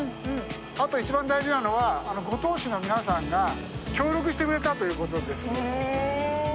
あと一番大事なのは五島市の皆さんが協力してくれたということです。